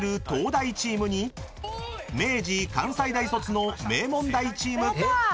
東大チームに明治、関西大卒の名門大チーム。